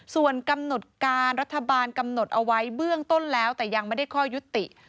ส่วนกำหนดการรัฐบาลกำหนดเอาไว้เบื้องต้นแล้วแต่ยังไม่ได้ข้อยุติ